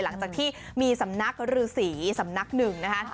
หลังจากที่มีสำนักฤษีสำนักหนึ่งนะคะ